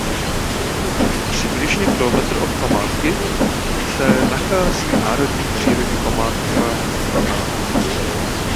Přibližně kilometr od památky se nachází národní přírodní památka Rovná.